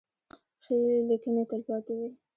ښې لیکنې تلپاتې وي.